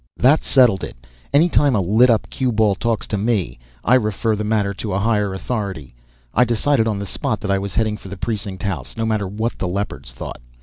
_ That settled it. Any time a lit up cue ball talks to me, I refer the matter to higher authority. I decided on the spot that I was heading for the precinct house, no matter what the Leopards thought.